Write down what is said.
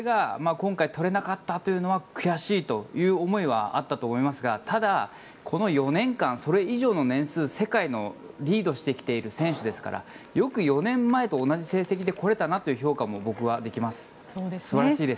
それが今回取れなかったというのは悔しいという思いはあったと思いますがただ、この４年間それ以上の年数世界をリードしてきている選手ですからよく４年前の同じ成績で来れたなという評価も僕はできます。